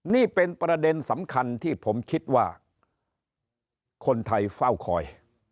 นี่เป็นประเด็นสำคัญที่ผมคิดว่าคนไทยเฝ้าคอย